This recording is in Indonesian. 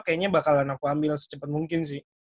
kayaknya bakalan aku ambil secepat mungkin sih